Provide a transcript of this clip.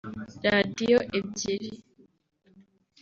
Radiyo ebyiri